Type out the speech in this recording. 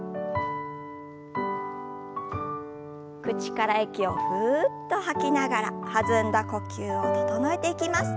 口から息をふっと吐きながら弾んだ呼吸を整えていきます。